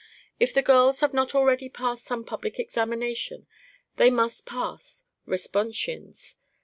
If the girls have not already passed some public examination, they must pass Responsions.